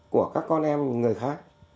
của các con em người khác